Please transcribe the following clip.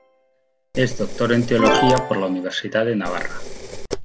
Es doctor en Teología por la Universidad de Navarra.